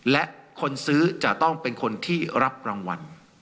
และคนซื้อจะต้องเป็นคนที่รับรางวัล